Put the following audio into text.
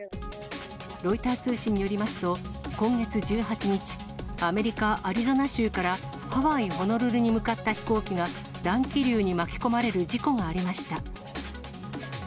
ロイター通信によりますと、今月１８日、アメリカ・アリゾナ州からハワイ・ホノルルに向かった飛行機が、乱気流に巻き込まれる事故がありました。